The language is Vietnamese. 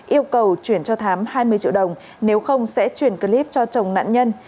yêu cầu chuyển cho thám hai mươi triệu đồng nếu không sẽ chuyển clip cho chồng nạn nhân